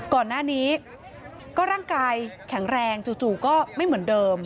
ก่อนหน้านี้ก็ร่างกายแข็งแรงจู่ก็ไม่เหมือนเดิม